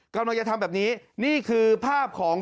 กำลังจะทำแบบนี้นี่คือภาพของ